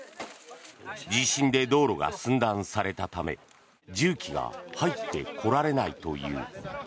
地震で道路が寸断されたため重機が入ってこられないという。